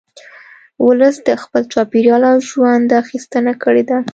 ولس د خپل چاپېریال او ژونده اخیستنه کړې ده